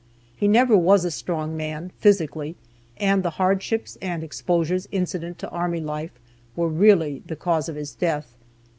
He never was a strong man, physically, and the hardships and exposures incident to army life were really the cause of his death.